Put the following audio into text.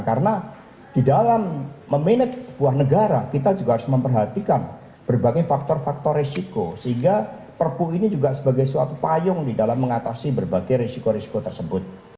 karena di dalam memanage sebuah negara kita juga harus memperhatikan berbagai faktor faktor risiko sehingga perpu ini juga sebagai suatu payung di dalam mengatasi berbagai risiko risiko tersebut